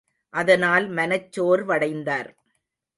அதனால் மனச் சோர்வடைந்தார்.